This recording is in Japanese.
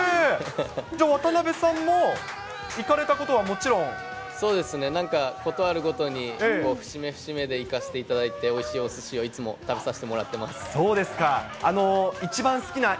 じゃあ渡辺さんも行かれたことはそうですね、なんか、事あるごとに節目節目で行かせていただいて、おいしいおすしをいつも食そうですか。